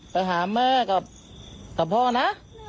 ไปหาแม่กับพ่อนะ